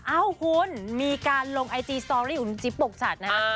เอ้าคุณมีการลงไอจีสตอร์รี่อุลจิปปกชัดนะฮะ